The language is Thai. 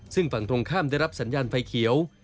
ซึ่งฝั่งตรงข้ามได้รับสัญญาณไฟเขียว